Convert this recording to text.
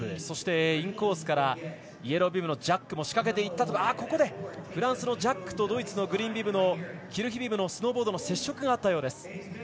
そしてインコースからイエロービブのジャックも仕掛けていったところでフランスのジャックとドイツのキルヒビームのスノーボードの接触があったようです。